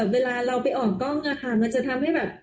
เวลาเราไปออกกล้องมันจะทำให้แบบ